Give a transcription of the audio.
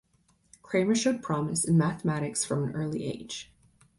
Cramer showed promise in mathematics from an early age.